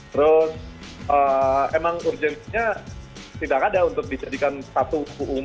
terus emang urgensinya tidak ada untuk dijadikan satu